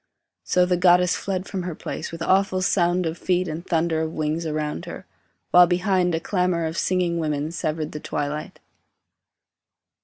So the goddess fled from her place, with awful Sound of feet and thunder of wings around her; While behind a clamour of singing women Severed the twilight.